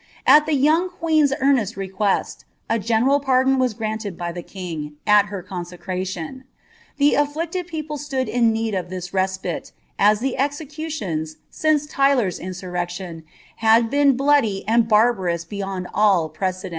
At the young queen's earnest request, a general ■don was granted by the king, at her consecration."' The stHicied >p]e Blood in need of this respite, as the executions, since Tyler's in Tvclion, bad been bloody and barbarous beyond all precedent.